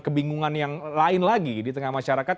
kebingungan yang lain lagi di tengah masyarakat